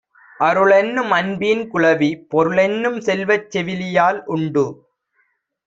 அருளென்னும் அன்பீன் குழவி, பொருளென்னும் செல்வச் செவிலியால் உண்டு.